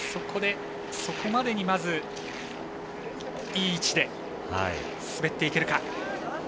そこまでにまず、いい位置で滑っていけるか。